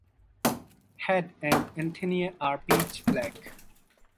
Head and antennae are pitch black.